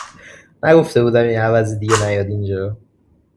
نگفته بودم این عوضی دیگه نیاد اینجا؟